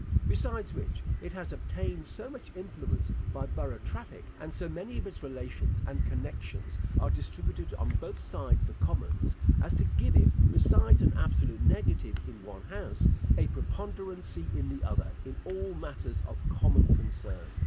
Besides which, it has obtained so much influence by borough traffic, and so many of its relations and connections are distributed on both sides the commons, as to give it, besides an absolute negative in one house, a preponderancy in the other, in all matters of common concern.